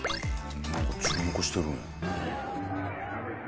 なんか注目してるね。